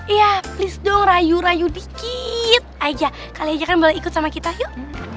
iya please dong rayu rayu dikit aja kali aja kan boleh ikut sama kita yuk